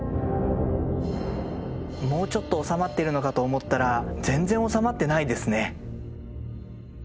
もうちょっと収まってるのかと思ったら全然収まってないですね。